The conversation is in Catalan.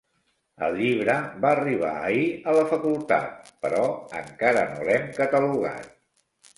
El llibre va arribar ahir a la facultat, però encara no l'hem catalogat.